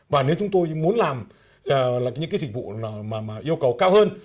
và nếu chúng tôi muốn làm những cái dịch vụ mà yêu cầu cao hơn